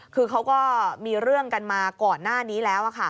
คือเขาก็มีเรื่องกันมาก่อนหน้านี้แล้ว